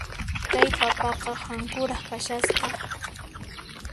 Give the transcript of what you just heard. Kay papaqa hankuras kashasqa.